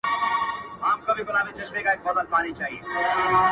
د مستو پېغلو د پاولیو وطن-